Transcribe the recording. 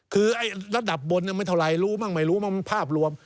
คือระดับบนเนี่ยไม่เท่าไรรู้มั้งไม่รู้มันภาพรวม